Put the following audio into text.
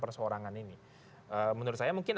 persoarangan ini menurut saya mungkin